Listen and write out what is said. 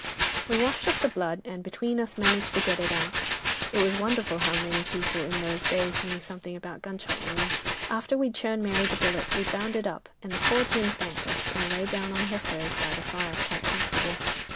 "'We washed off the blood, and between us, managed to get it out. It was wonderful how many people in those days knew something about gunshot wounds. After we'd shown Mary the bullet, we bound it up, and the poor gin thanked us, and lay down on her furs by the fire, quite comfortable.